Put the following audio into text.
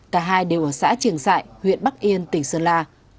cả hai đều ở xã trường sại huyện bắc yên tỉnh sơn la